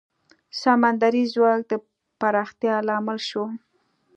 سمندري ځواک د پراختیا لامل شو.